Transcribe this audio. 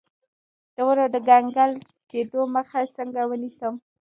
د ونو د کنګل کیدو مخه څنګه ونیسم؟